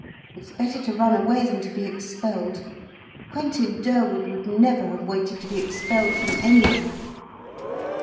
It's better to run away than to be expelled. Quentin Durward would never have waited to be expelled from anywhere.'